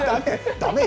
だめよ。